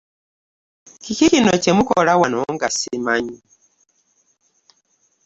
Kiki kino kye mukola wano nga ssimanyi?